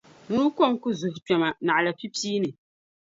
Nuu kom ku zuhi kpɛma; naɣila pipia ni.